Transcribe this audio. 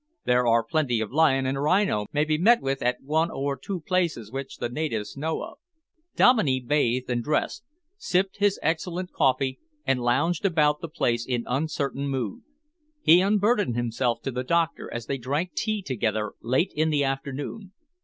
There are plenty of lion, and rhino may be met with at one or two places which the natives know of." Dominey bathed and dressed, sipped his excellent coffee, and lounged about the place in uncertain mood. He unburdened himself to the doctor as they drank tea together late in the afternoon.